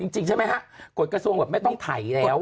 จริงใช่ไหมฮะกฎกระทรวงแบบไม่ต้องไถแล้ว